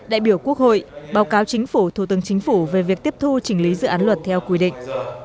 đại biểu quốc hội báo cáo chính phủ thủ tướng chính phủ về việc tiếp thu chỉnh lý dự án luật theo quy định